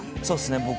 そうっすね。